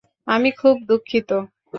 আমি খুব দুঃখিত!